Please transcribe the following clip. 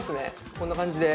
こんな感じで。